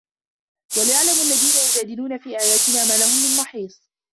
وَيَعلَمَ الَّذينَ يُجادِلونَ في آياتِنا ما لَهُم مِن مَحيصٍ